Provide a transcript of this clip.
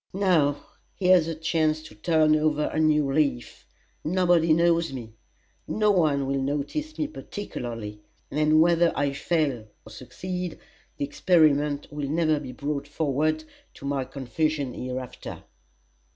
Now, here's a chance to turn over a new leaf. Nobody knows me; no one will notice me particularly; and whether I fail or succeed, the experiment will never be brought forward to my confusion hereafter."